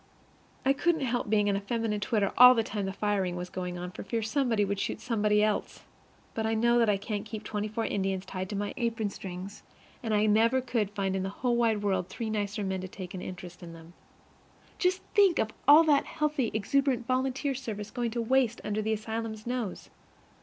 I couldn't help being in a feminine twitter all the time the firing was going on for fear somebody would shoot somebody else. But I know that I can't keep twenty four Indians tied to my apron strings, and I never could find in the whole wide world three nicer men to take an interest in them. Just think of all that healthy, exuberant volunteer service going to waste under the asylum's nose!